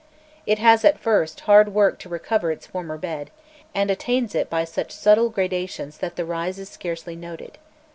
It has at first hard work to recover its former bed, and attains it by such subtle gradations that the rise is scarcely noted.